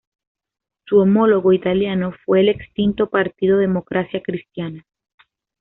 Su homólogo italiano fue el extinto partido Democracia Cristiana.